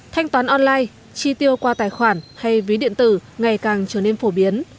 thanh toán online chi tiêu qua tài khoản hay ví điện tử ngày càng trở nên phổ biến